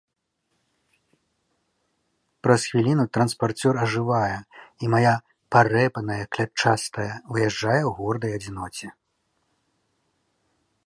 Праз хвіліну транспарцёр ажывае, і мая парэпаная клятчастая выязджае ў гордай адзіноце.